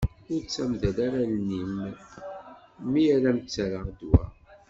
Ur ttamdal ara allen-im mi ara m-ttarraɣ ddwa.